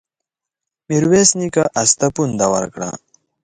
ميرويس نيکه آس ته پونده ورکړه.